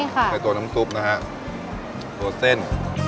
ในตัวน้ำซุปนะฮะตัวเส้น